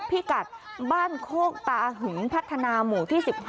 พิกัดบ้านโคกตาหึงพัฒนาหมู่ที่๑๕